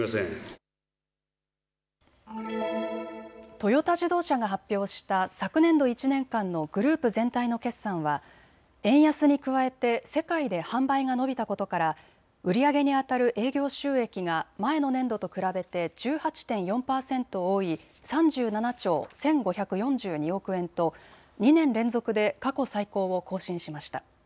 トヨタ自動車が発表した昨年度１年間のグループ全体の決算は円安に加えて世界で販売が伸びたことから売り上げにあたる営業収益が前の年度と比べて１８．４％多い３７兆１５４２億円と２年連続で過去最高を更新しました。